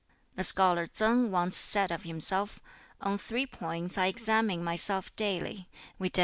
The Scholar Tsang once said of himself: "On three points I examine myself daily, viz.